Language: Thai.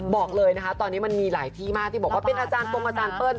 บอกเลยนะคะตอนนี้มันมีหลายที่มากที่บอกว่าเป็นอาจารย์ตรงอาจารย์เปิ้ล